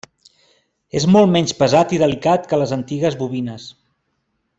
És molt menys pesat i delicat que les antigues bobines.